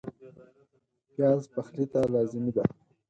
پیاز پخلي ته لازمي دی